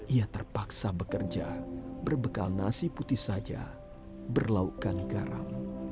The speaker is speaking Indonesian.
ia terpaksa bekerja berbekal nasi putih saja berlaukan garam